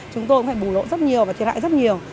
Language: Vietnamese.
chúng tôi cũng phải bù lỗ rất nhiều và thiệt hại rất nhiều